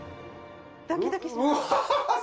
ドキドキします。